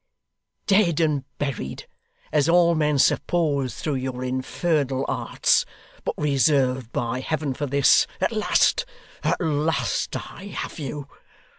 'Dead and buried, as all men supposed through your infernal arts, but reserved by Heaven for this at last at last I have you.